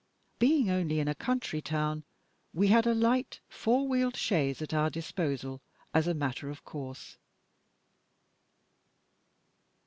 Being only in a country town, we had a light four wheeled chaise at our disposal, as a matter of course.